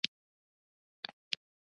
آزاد تجارت مهم دی ځکه چې مالداري پرمختګ کوي.